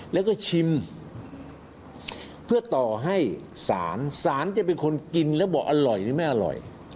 แล้วก็ชิมเพื่อต่อให้สารสารจะเป็นคนกินแล้วบอกอร่อยหรือไม่อร่อย